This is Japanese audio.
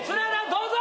どうぞ！